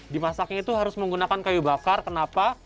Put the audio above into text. dimasaknya itu harus menggunakan kayu bakar kenapa